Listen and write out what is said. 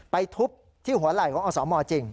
ทุบที่หัวไหล่ของอสมจริง